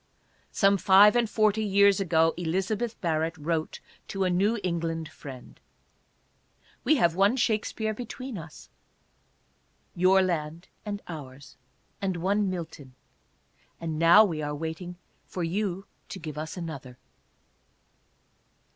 Some five and forty years ago Elizabeth Barrett wrote to a New England friend: "We have one Shakspere between us — your land and ours — and one Milton. And now we are waiting for you to give us another."